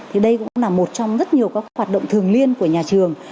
thì đây cũng là một trong rất nhiều các hoạt động thường liên của nhà trường